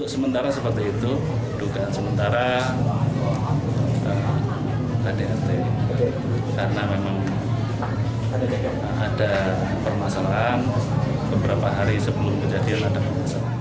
sementara karena memang ada permasalahan beberapa hari sebelum kejadian ada permasalahan